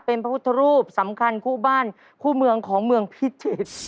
เป็นพระพุทธรูปสำคัญคู่บ้านคู่เมืองของเมืองพิจิตร